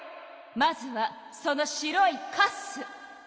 まずはその白いカス！